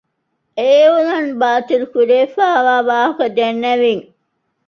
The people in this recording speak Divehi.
އެ އިއުލާން ބާތިލްކުރެވިފައިވާ ވާހަކަ ދެންނެވީމެވެ.